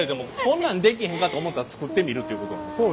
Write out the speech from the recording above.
こんなん出来へんかと思ったら作ってみるっていうことなんですか？